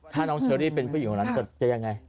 ถ้าน้องเชลธ์เป็นผู้หญิงของเราน่าจะยังไง